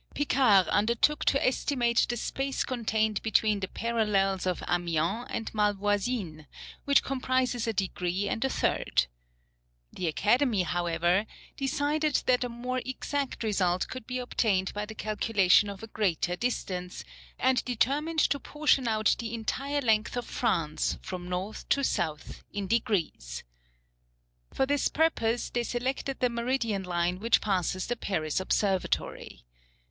Picard undertook to estimate the space contained between the parallels of Amiens and Malvoisine, which comprises a degree and a third. The Academy, however, decided that a more exact result could be obtained by the calculation of a greater distance, and determined to portion out the entire length of France, from north to south, in degrees. For this purpose, they selected the meridian line which passes the Paris Observatory.